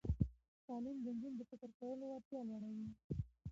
تعلیم د نجونو د فکر کولو وړتیا لوړوي.